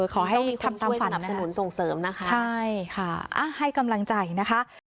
ขอให้ทำฝันนะคะใช่ค่ะให้กำลังใจนะคะ